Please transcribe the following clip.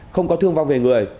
không có thương vong về người